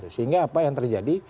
sehingga apa yang terjadi